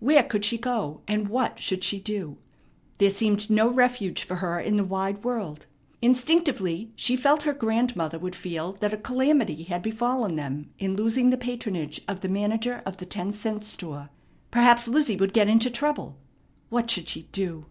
Where could she go and what should she do? There seemed no refuge for her in the wide world. Instinctively she felt her grandmother would feel that a calamity had befallen them in losing the patronage of the manager of the ten cent store. Perhaps Lizzie would get into trouble. What should she do?